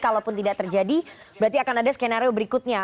kalaupun tidak terjadi berarti akan ada skenario berikutnya